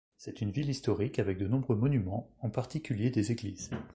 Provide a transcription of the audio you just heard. C'est une ville historique avec de nombreux monuments, en particulier des églises.